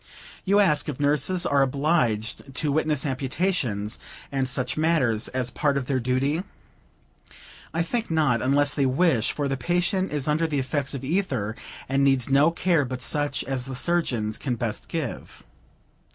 You ask if nurses are obliged to witness amputations and such matters, as a part of their duty? I think not, unless they wish; for the patient is under the effects of ether, and needs no care but such as the surgeons can best give.